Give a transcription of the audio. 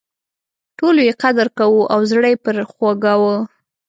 ټولو یې قدر کاوه او زړه یې پر خوږاوه.